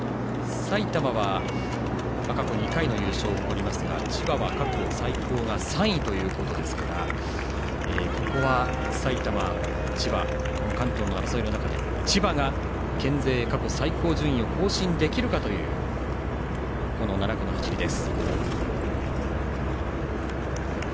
埼玉は、過去２回の優勝を誇りますが千葉は過去最高が３位ということですからここは埼玉、千葉という関東の争いの中で千葉が県勢過去最高順位を更新できるかという７区の走りです。